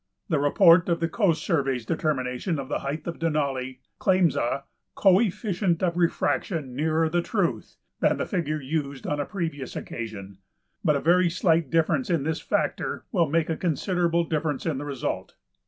The report of the Coast Survey's determination of the height of Denali claims a "co efficient of refraction nearer the truth" than the figure used on a previous occasion; but a very slight difference in this factor will make a considerable difference in the result.